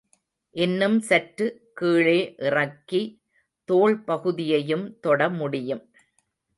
இன்னும் சற்று கீழே இறக்கி, தோள் பகுதியையும் தொட முடியும்.